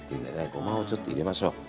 ゴマをちょっと入れましょう。